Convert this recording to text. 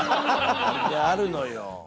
いやあるのよ」